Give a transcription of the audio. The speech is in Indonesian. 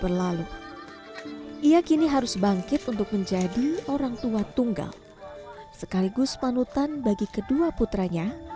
berlalu ia kini harus bangkit untuk menjadi orang tua tunggal sekaligus panutan bagi kedua putranya